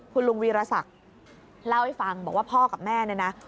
คุณลุงวีรศักดิ์เล่าให้ฟังบอกว่าพ่อกับแม่เนี่ยนะ